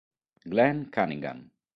Glenn Cunningham